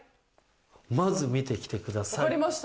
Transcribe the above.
まず見てきてください。